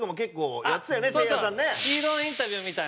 ヒーローインタビューみたいな。